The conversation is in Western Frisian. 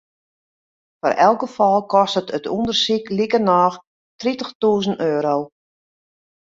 Foar elk gefal kostet it ûndersyk likernôch tritichtûzen euro.